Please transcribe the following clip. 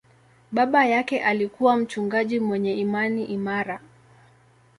Baba yake alikuwa mchungaji mwenye imani imara.